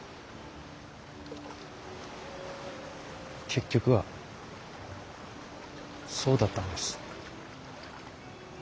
結局はそうだったんです。